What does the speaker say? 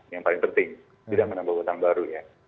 yang paling penting tidak menambah hutang baru ya